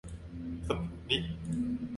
สปุตนิก